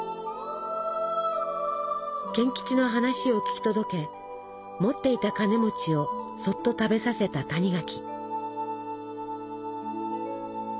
賢吉の話を聞き届け持っていたカネをそっと食べさせた谷垣。